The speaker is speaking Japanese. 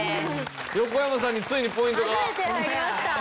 横山さんについにポイントが。